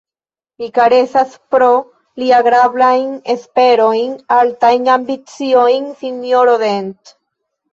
Mi karesas pro li agrablajn esperojn, altajn ambiciojn, sinjoro Dent.